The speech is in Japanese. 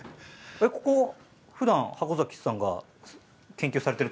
ここふだん箱さんが研究されてるとこなんですか？